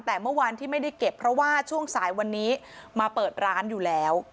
แต่เมื่อวานที่ไม่ได้เก็บเพราะว่าช่วงสายวันนี้มาเปิดร้านอยู่แล้ว